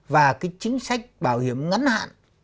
và cái chính sách bảo hiểm ngắn hạn